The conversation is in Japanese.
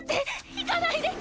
行かないで！